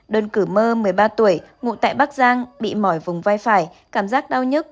đơn cử mơ một mươi ba tuổi ngụ tại bắc giang bị mỏi vùng vai phải cảm giác đau nhức